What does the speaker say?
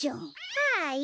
はい。